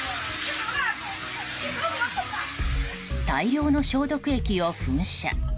大量の消毒液を噴射。